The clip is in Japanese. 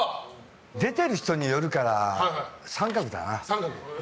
出てる人によるから△だな。